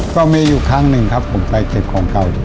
ก็มีอยู่ครั้งหนึ่งครับผมไปเก็บของเก่า